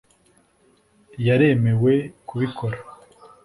yaremewe kubikora